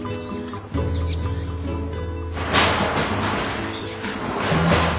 よいしょ。